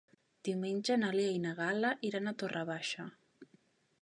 Diumenge na Lia i na Gal·la iran a Torre Baixa.